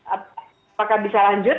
apakah bisa lanjut